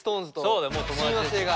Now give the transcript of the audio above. そうだよもう友達です。